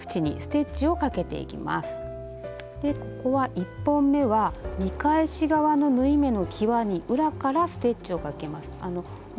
１本めは見返し側の縫い目のきわに裏からステッチをかけます。